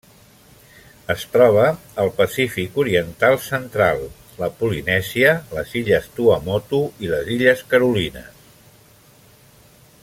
Es troba al Pacífic oriental central: la Polinèsia, les illes Tuamotu i les illes Carolines.